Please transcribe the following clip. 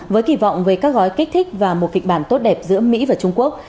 với kỳ vọng về các gói kích thích và một kịch bản tốt đẹp giữa mỹ và trung quốc